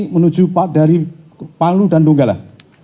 menuju pak dari palu dan tunggalah